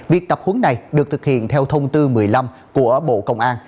việc tập huấn này được thực hiện theo thông tư một mươi năm của bộ công an